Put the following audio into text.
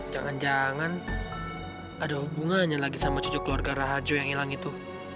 jangan jangan ada hubungannya lagi sama cucu keluarga rahajo yang hilang itu